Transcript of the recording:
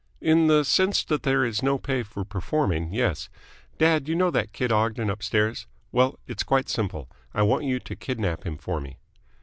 "In the sense that there is no pay for performing, yes. Dad, you know that kid Ogden upstairs? Well, it's quite simple. I want you to kidnap him for me."